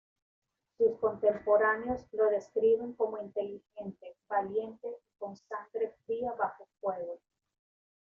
Sus contemporáneos lo describen como inteligente, valiente y con sangre fría bajo fuego.